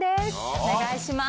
お願いします